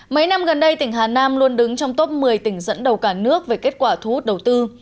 mấy năm gần đây tỉnh hà nam luôn đứng trong top một mươi tỉnh dẫn đầu cả nước về kết quả thu hút đầu tư